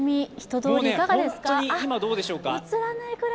本当に、今どうでしょうか。